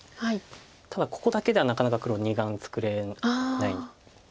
ただここだけではなかなか黒２眼作れないんですよね。